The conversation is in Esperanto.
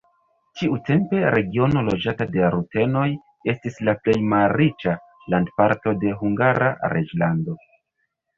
Tiutempe regiono loĝata de rutenoj estis la plej malriĉa landparto de Hungara reĝlando.